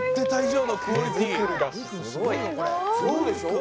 すごいね。